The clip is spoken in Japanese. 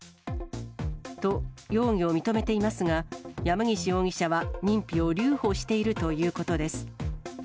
と、容疑を認めていますが、山岸容疑者は認否を留保しているということです。